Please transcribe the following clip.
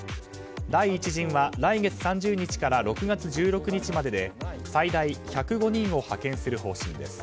第１陣は来月３０日から６月１６日までで最大１０５人を派遣する方針です。